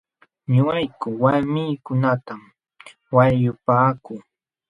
Ñuqayku walmiikunatam wayllupaaku.